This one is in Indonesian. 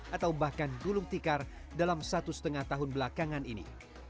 atau bahkan gulung tikar dalam satu setengah tahun belakangan ini